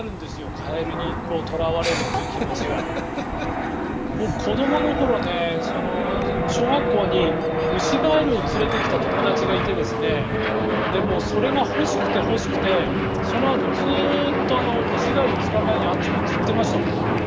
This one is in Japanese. カエルにとらわれるっていう気持ちが僕、子どもの頃、小学校にウシガエルを連れてきた友達がいてそれが欲しくて欲しくてそのあとずっとウシガエルを捕まえにあっちこっち行ってましたもん。